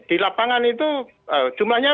di lapangan itu jumlahnya